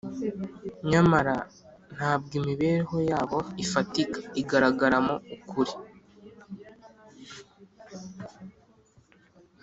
nyamara ntabwo imibereho yabo ifatika igaragaramo ukuri